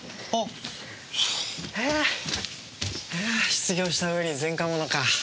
失業した上に前科者か。